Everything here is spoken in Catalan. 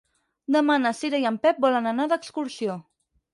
Demà na Cira i en Pep volen anar d'excursió.